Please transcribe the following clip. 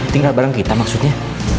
tinggal bareng kita maksudnya